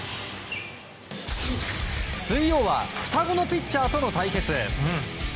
水曜は双子のピッチャーとの対決。